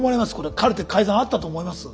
カルテ改ざんあったと思います？